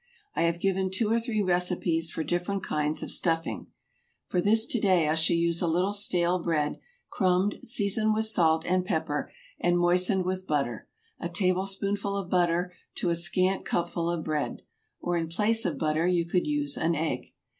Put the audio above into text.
I have given two or three recipes for different kinds of stuffing. For this to day I shall use a little stale bread, crumbed, seasoned with salt and pepper, and moistened with butter; a tablespoonful of butter to a scant cupful of bread, or in place of butter you could use an egg.